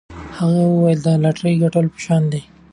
هغې وویل دا د لاټرۍ ګټلو په شان دی.